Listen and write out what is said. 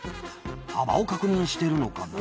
幅を確認してるのかな？